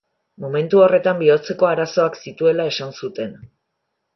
Momentu horretan bihotzeko arazoak zituela esan zuten.